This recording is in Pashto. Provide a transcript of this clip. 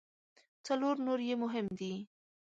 څلور نور یې مهم دي.